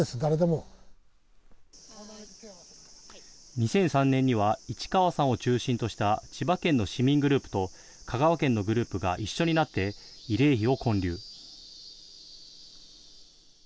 ２００３年には、市川さんを中心とした千葉県の市民グループと、香川県のグループが一緒になって慰霊碑を建立。